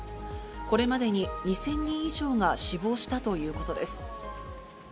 これまでに２０００人以上が死亡したということです。